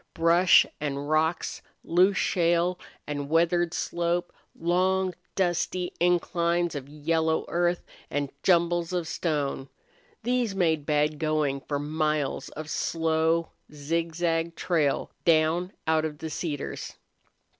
Brush and rocks, loose shale and weathered slope, long, dusty inclines of yellow earth, and jumbles of stone these made bad going for miles of slow, zigzag trail down out of the cedars.